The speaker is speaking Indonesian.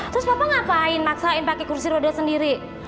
terus bapak ngapain maksain pakai kursi roda sendiri